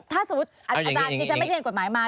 ถ้าสมมุติอาจารย์ที่ฉันไปเรียนกฎหมายมา